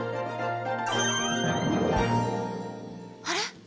あれ？